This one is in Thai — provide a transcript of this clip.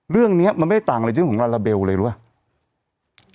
เรื่องเนี่ยมันไม่ได้ต่างเลยจริงของลาลาเบลเลยรู้วะ